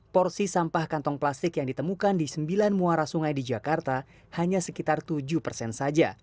porsi sampah kantong plastik yang ditemukan di sembilan muara sungai di jakarta hanya sekitar tujuh persen saja